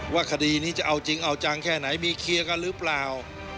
คดีนี้จะเอาจริงเอาจังแค่ไหนมีเคลียร์กันหรือเปล่า